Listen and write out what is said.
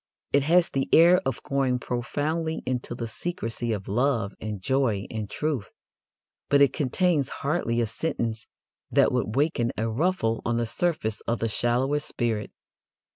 It has the air of going profoundly into the secrecies of love and joy and truth, but it contains hardly a sentence that would waken a ruffle on the surface of the shallowest spirit.